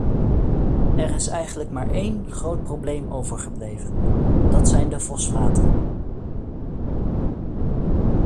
Er is eigenlijk maar één groot probleem overgebleven, dat zijn de fosfaten.